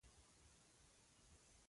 الکتروسکوپ یوه حساسه آله ده.